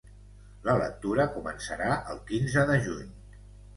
La lectura començarà el quinze de juny.